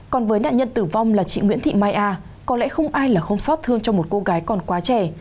còn với nạn nhân tử vong là chị nguyễn thị mai a có lẽ không ai là không xót thương cho một cô gái còn quá trẻ